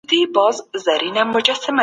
استازي د عامو خلګو ستونزې حل کوي.